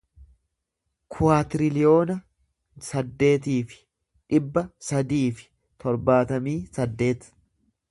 kuwaatiriliyoona saddeetii fi dhibba sadii fi torbaatamii saddeet